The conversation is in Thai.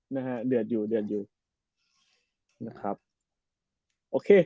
นะฮะเดือดอยู่เดือดอยู่นะครับโอเค